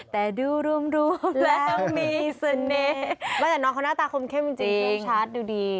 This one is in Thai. แต่ดูรุมรุมแล้วมีเสน่ห์แต่น้องเขาน่าตาขมเข้มจริงชัดดูดี